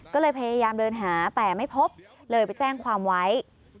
ก็เลยพยายามเดินหาแต่ไม่พบเลยไปแจ้งความไว้